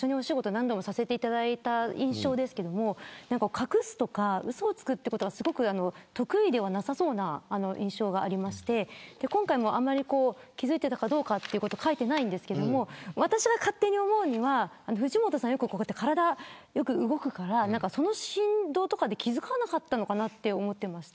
何度もさせていただいた印象ですけども隠すとか、うそをつくってことが得意ではなさそうな印象がありまして今回も気付いていたかどうかは書いてないんですけど私が勝手に思うには藤本さんは、体よく動くからその振動とかで気付かなかったのかなって思ってまして。